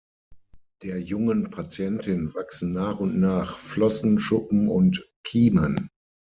Der jungen Patientin wachsen nach und nach Flossen, Schuppen und Kiemen.